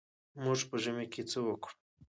موږ په ژمي کې څه وکړو.